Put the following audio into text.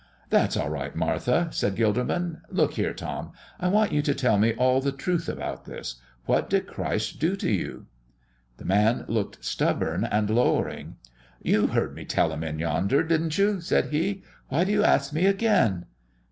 "That's all right, Martha," said Gilderman. "Look here, Tom; I want you to tell me all the truth about this. What did Christ do to you?" The man looked stubborn and lowering. "You heard me tell 'em in yonder, didn't you?" said he. "Why do you ask me again?"